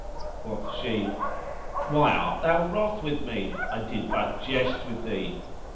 Quoth she, "Why art thou wroth with me? I did but jest with thee."